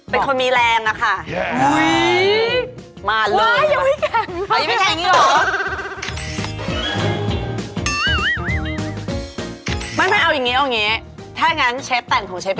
เป็นคนมีแรงอะค่ะ